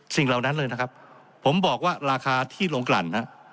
สิ่งเหล่านั้นเลยนะครับผมบอกว่าราคาที่โรงกรรมฮะ